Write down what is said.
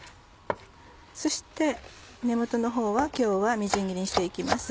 そして根元のほうは今日はみじん切りにして行きます。